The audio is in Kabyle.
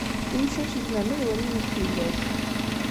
Imcac zemren ad walin deg tillas.